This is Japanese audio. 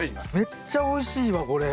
めっちゃおいしいわこれ。